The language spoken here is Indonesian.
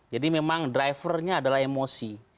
jadi memang drivernya adalah emosi